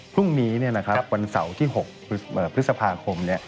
พรุ่งนี้วันเสาร์ที่๖พฤษภาคม